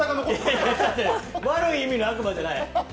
悪い意味の悪魔じゃない。